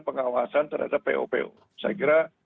pengawasan terhadap popo saya kira